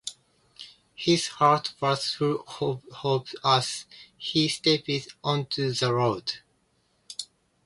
His heart was full of hope as he stepped onto the road.